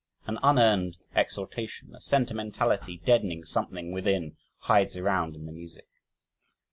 An unearned exultation a sentimentality deadening something within hides around in the music.